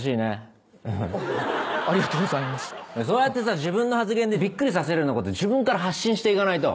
そうやってさ自分の発言でびっくりさせるようなこと自分から発信していかないと。